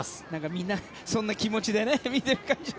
みんなそんな気持ちで見ているような。